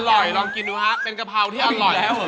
อร่อยลองกินดูฮะเป็นกะเพราที่อร่อย